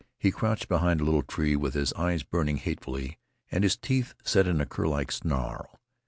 He crouched behind a little tree, with his eyes burning hatefully and his teeth set in a curlike snarl.